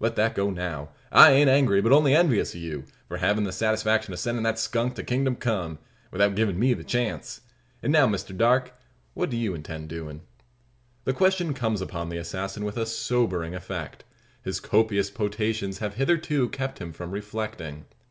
Let that go now. I ain't angry, but only envious o' you, for havin' the satisfaction of sendin' the skunk to kingdom come, without givin' me the chance. An' now, Mister Darke, what do you intend doin'?" The question comes upon the assassin with a sobering effect. His copious potations have hitherto kept him from reflecting.